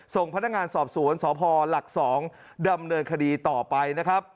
ส่งพนักงานสอบสวนสพหลัก๒ดำเนินคดีต่อไปนะครับ